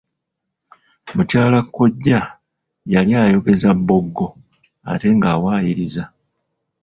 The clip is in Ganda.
Mukyala kkojja yali ayogeza bboggo ate ng'awaayiriza.